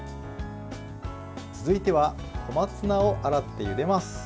続いては小松菜を洗ってゆでます。